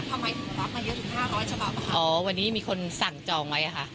ทำไมถึงรับมาเยอะถึงห้าร้อยฉบับค่ะอ๋อวันนี้มีคนสั่งจองไว้อ่ะค่ะ